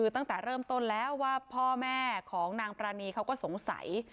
ตั้งแต่เริ่มต้นแล้วว่าพ่อแม่ของนางปรานีเขาก็สงสัย